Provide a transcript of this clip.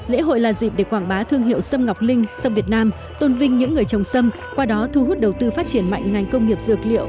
lễ hội là dịp để quảng bá thương hiệu sâm ngọc linh sâm việt nam tôn vinh những người trồng sâm qua đó thu hút đầu tư phát triển mạnh ngành công nghiệp dược liệu